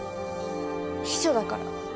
秘書だから。